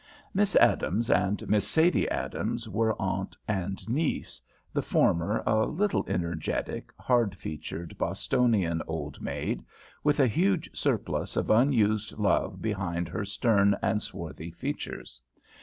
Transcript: Miss Adams and Miss Sadie Adams were aunt and niece, the former a little, energetic, hard featured Bostonian old maid, with a huge surplus of unused love behind her stern and swarthy features.